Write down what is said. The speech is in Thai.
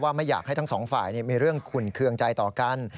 ไม่อยากให้ทั้งสองฝ่ายมีเรื่องขุ่นเครื่องใจต่อกัน